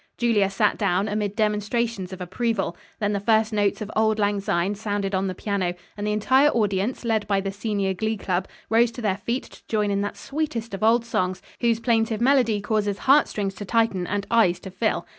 Julia sat down amid demonstrations of approval. Then the first notes of "Auld Lang Syne" sounded on the piano, and the entire audience, led by the senior glee club, rose to their feet to join in that sweetest of old songs whose plaintive melody causes heart strings to tighten and eyes to fill.